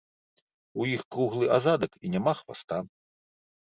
У іх круглы азадак і няма хваста.